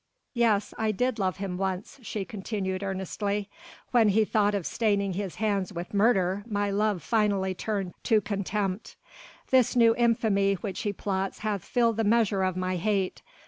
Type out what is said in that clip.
Yes, I did love him once," she continued earnestly, "when he thought of staining his hands with murder my love finally turned to contempt. This new infamy which he plots hath filled the measure of my hate.